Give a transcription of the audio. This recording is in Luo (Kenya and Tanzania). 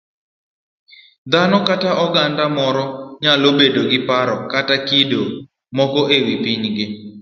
Dhano kata oganda moro nyalo bedo gi paro kata kido moko e wi pinygi.